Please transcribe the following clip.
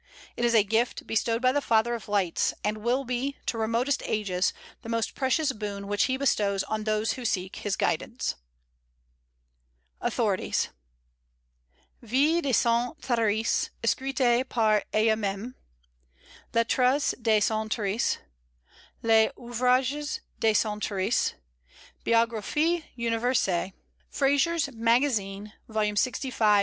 It is a gift bestowed by the Father of Lights, and will be, to remotest ages, the most precious boon which He bestows on those who seek His guidance. AUTHORITIES. Vie de Sainte Thérèse, écrite par elle même; Lettres de Sainte Thérèse; Les Ouvrages de Sainte Thérèse; Biographie Universelle; Fraser's Magazine, lxv.